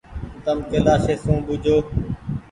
تم ڪيلآشي سون ٻوجو ۔